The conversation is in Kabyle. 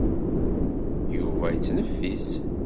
Yuba yettneffis.